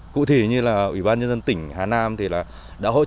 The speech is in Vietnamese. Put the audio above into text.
cụ thị như là ủy ban nhân dân tỉnh hà nam đã hỗ trợ chứng nhận nông nghiệp đến sản xuất